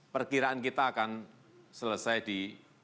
perkiraan kita akan selesai di dua ribu dua puluh empat